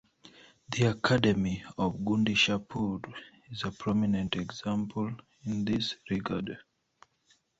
The Academy of Gundishapur is a prominent example in this regard.